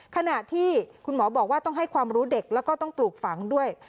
ขณะที่คุณหมอบอกว่าต้องให้ความรู้เด็กแล้วก็ต้องปลูกฝังด้วย